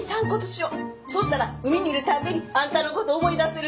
そしたら海見るたんびにあんたのこと思い出せるし。